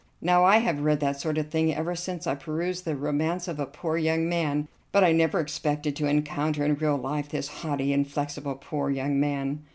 Now I have read that sort of thing ever since I perused 'The Romance of a Poor Young Man,' but I never expected to encounter in real life this haughty, inflexible, poor young man."